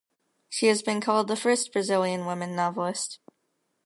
She has been called the first Brazilian woman novelist.